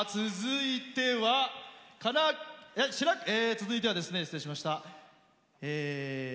続いては、失礼しました。